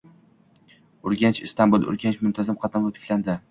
Urganch – Istanbul – Urganch muntazam qatnovi tiklandi